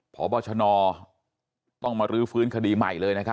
พอบาคนอต้องมาลื้อฟื้นคดีใหม่เลย